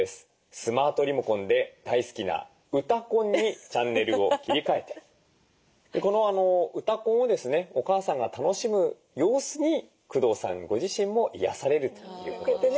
スマートリモコンで大好きな「うたコン」にチャンネルを切り替えてこの「うたコン」をですねお母さんが楽しむ様子に工藤さんご自身も癒やされるということです。